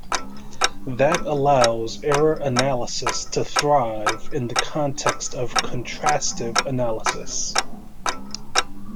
That allows error analysis to thrive in the context of Contrastive Analysis.